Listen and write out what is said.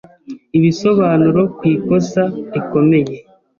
ibisobanuro ku ikosa rikomeye